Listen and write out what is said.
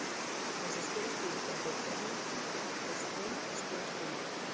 Las Escuelas Públicas de Framingham gestiona escuelas públicas.